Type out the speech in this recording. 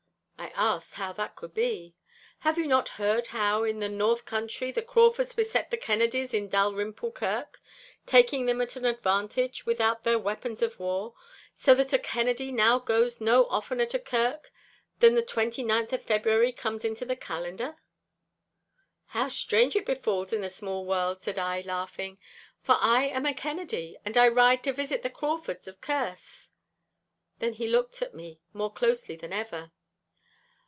I asked how that could be. 'Have you not heard how in the north country the Craufords beset the Kennedies in Dalrymple Kirk, taking them at an advantage without their weapons of war—so that a Kennedy now goes no oftener to kirk than the twenty ninth of February comes into the calender.' 'How strange it befalls in a small world,' said I, laughing, 'for I am a Kennedy, and I ride to visit the Craufords of Kerse.' Then he looked at me more closely than ever.